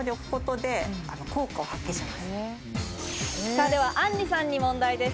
では、あんりさんに問題です。